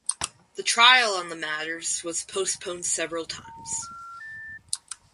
The trial on the matters was postponed several times.